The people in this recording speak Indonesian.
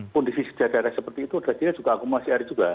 kondisi sejarah tekar seperti itu adalah dia juga akumulasi air juga